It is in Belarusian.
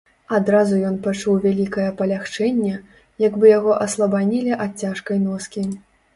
Адразу ён пачуў вялікае палягчэнне, як бы яго аслабанілі ад цяжкай носкі.